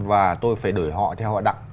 và tôi phải đổi họ theo họ đặng